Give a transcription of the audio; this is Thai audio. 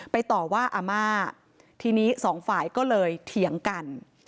ต่อว่าอาม่าทีนี้สองฝ่ายก็เลยเถียงกัน